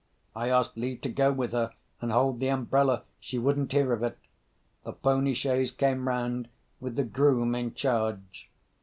I asked leave to go with her, and hold the umbrella. She wouldn't hear of it. The pony chaise came round, with the groom in charge.